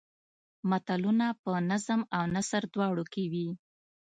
متلونه په نظم او نثر دواړو کې وي